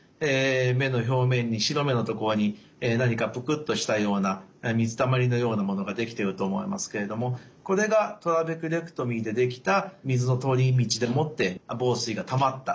目の表面に白目のところに何かプクッとしたような水たまりのようなものができていると思いますけれどもこれがトラベクレクトミーでできた水の通り道でもって房水がたまった